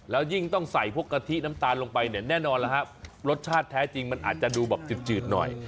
แล้วยิ่งต้องใส่พวกกะทิน้ำตาลลงไปเนี่ยแน่นอนแล้วครับรสชาติแท้จริงมันอาจจะดูแบบจืดหน่อย